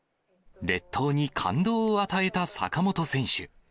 列島に感動を与えた坂本選手。